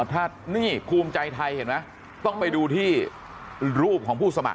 ถ้านี่ภูมิใจไทยเห็นไหมต้องไปดูที่รูปของผู้สมัคร